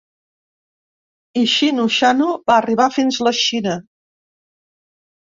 I xino xano va arrivar fins la Xina.